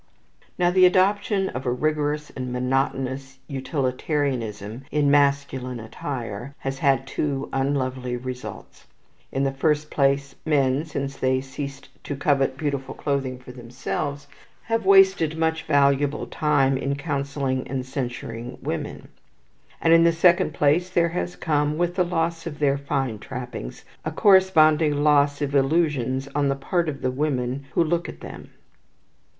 Now the adoption of a rigorous and monotonous utilitarianism in masculine attire has had two unlovely results. In the first place, men, since they ceased to covet beautiful clothes for themselves, have wasted much valuable time in counselling and censuring women; and, in the second place, there has come, with the loss of their fine trappings, a corresponding loss of illusions on the part of the women who look at them.